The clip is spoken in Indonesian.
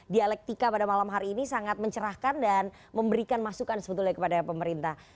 dialektika pada malam hari ini sangat mencerahkan dan memberikan masukan sebetulnya kepada pemerintah